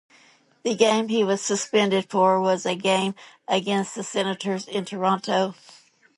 The game he was suspended for was a game against the Senators in Toronto.